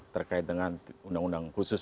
terkait dengan undang undang khusus